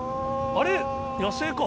あれ野生か。